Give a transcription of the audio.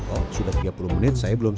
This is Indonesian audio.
oh sudah tiga puluh menit saya belum